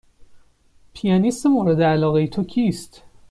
پیانیست مورد علاقه تو کیست؟